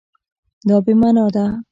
دا بې مانا ده